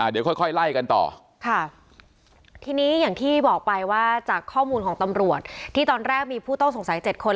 เดี๋ยวค่อยไล่กันต่อค่ะทีนี้อย่างที่บอกไปว่าจากข้อมูลของตำรวจที่ตอนแรกมีผู้ต้องสงสัย๗คน